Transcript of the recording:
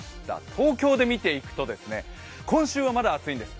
東京で見ていくと今週は、まだ暑いんです。